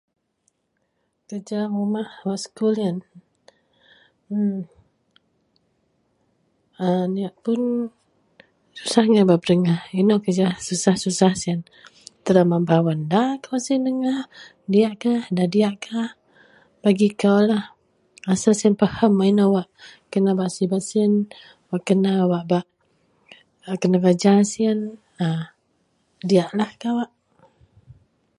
kerja rumah wak sekul ien emm a aneak pun susah agai bak pedegah , inou kerja susah-susah sien telou membawen da kawak sien dengah diakkah da diakkah, bagi kou lah asel sien faham inou wak kena bak sibet sien, wak kena wak bak kenereja sien a diak lah kawak